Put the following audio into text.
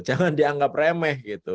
jangan dianggap remeh gitu